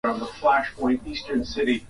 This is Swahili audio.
Anaongea na yeye kwa simu